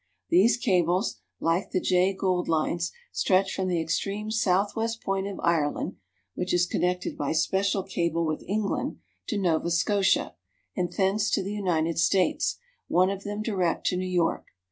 These cables, like the Jay Gould lines, stretch from the extreme southwest point of Ireland (which is connected by special cable with England) to Nova Scotia, and thence to the United States, one of them direct to New York.